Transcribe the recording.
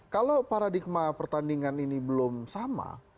kalau paradigma pertandingan ini belum sama